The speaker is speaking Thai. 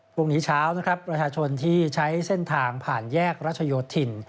พรุ่งนี้เช้านะครับประชาชนที่ใช้เส้นทางผ่านแยกรัชโยธิน